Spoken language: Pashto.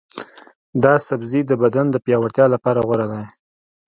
دا سبزی د بدن د پیاوړتیا لپاره غوره دی.